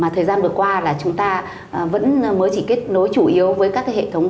thời gian vừa qua là chúng ta vẫn mới chỉ kết nối chủ yếu với các hệ thống